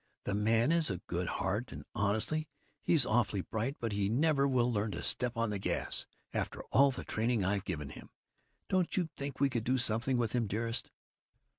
The man has a good heart, and honestly, he's awfully bright, but he never will learn to step on the gas, after all the training I've given him. Don't you think we could do something with him, dearest?"